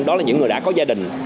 đó là những người đã có gia đình